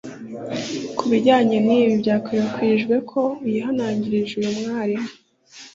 Ku bijyanye n’ibi byakwirakwijwe ko yihanangirije uyu mwarimu